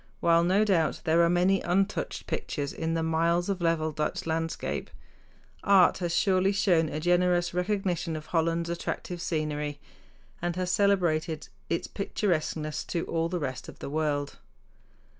While, no doubt, there are many "untouched pictures" in the miles of level Dutch landscape, art has surely shown a generous recognition of Holland's attractive scenery, and has celebrated its picturesqueness to all the rest of the world.